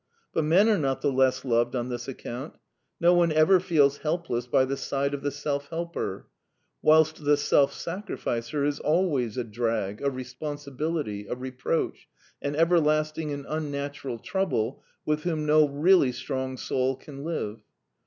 But men are not the less loved on this account. No one ever feels helpless by the side of the self helper; whilst the self sacrificer is always a drag, a responsibility, a reproach, an everlasting and unnatural trouble with whom no really strong soul can live.